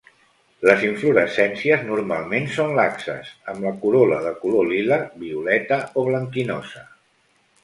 Les inflorescències normalment són laxes, amb la corol·la de color lila, violeta o blanquinosa.